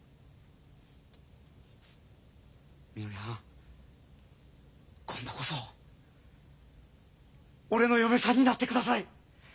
みのりはん今度こそ俺の嫁さんになってください！